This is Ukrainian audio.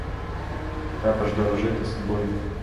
Треба ж дорожити собою.